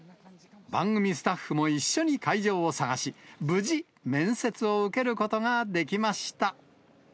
番組スタッフも一緒に会場を探し、無事、面接を受けることができました。